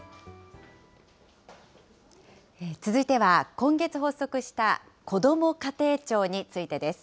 今月発足したこども家庭庁についてです。